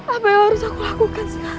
apa yang harus aku lakukan sekarang